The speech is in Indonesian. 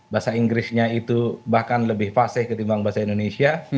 bahasa inggrisnya itu bahkan lebih faseh ketimbang bahasa indonesia